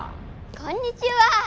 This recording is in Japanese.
こんにちは。